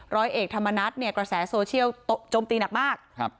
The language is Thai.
ร้อยเอกธรรมนัฐเนี่ยกระแสโซเชียลโจมตีหนักมาก